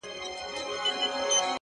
اوس خو پوره تر دوو بـجــو ويــښ يـــم ـ